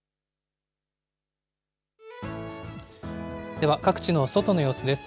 では、各地の外の様子です。